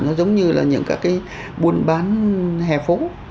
nó giống như là những các cái buôn bán hẻ phố